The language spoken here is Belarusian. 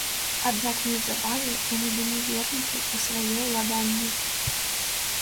Аднак неўзабаве яны былі вернуты ў свае ўладанні.